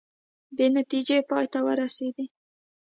بې نتیجې پای ته ورسیدې